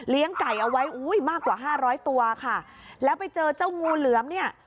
เลี้ยงไก่เอาไว้มากกว่า๕๐๐ตัวค่ะแล้วไปเจอเจ้างูเหลือมเนี่ย